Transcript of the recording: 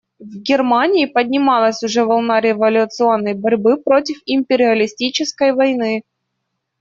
В Германии поднималась уже волна революционной борьбы против империалистической войны.